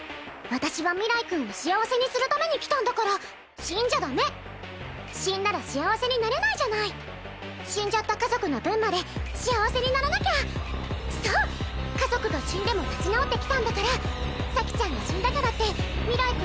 私は明日君を幸せにするために来たんだから死んじゃダメ死んだら幸せになれないじゃない死んじゃった家族の分まで幸せにならなきゃそう家族が死んでも立ち直ってきたんだから咲ちゃんが死んだからって明日